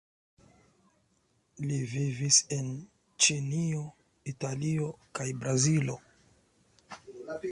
Li vivis en Ĉinio, Italio kaj Brazilo.